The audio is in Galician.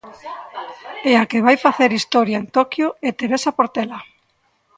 E a que vai facer historia en Toquio é Teresa Portela.